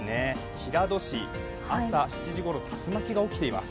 平戸市、朝７時ごろ竜巻が起きています。